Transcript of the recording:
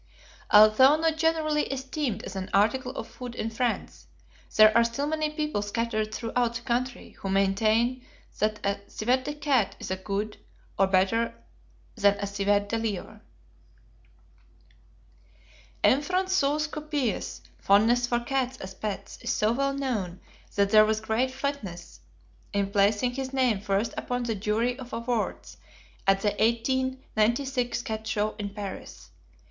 Although not generally esteemed as an article of food in France, there are still many people scattered throughout the country who maintain that a civet de chat is as good, or better, than a civet de lievre. M. François Coppée's fondness for cats as pets is so well known that there was great fitness in placing his name first upon the jury of awards at the 1896 cat show in Paris.